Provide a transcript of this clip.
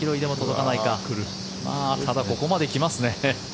ただ、ここまで来ますね。